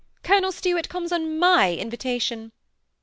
" Colonel Stuart comes on my invitation."